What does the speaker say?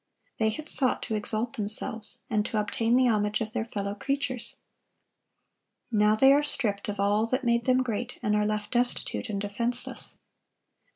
They had sought to exalt themselves, and to obtain the homage of their fellow creatures. Now they are stripped of all that made them great, and are left destitute and defenseless.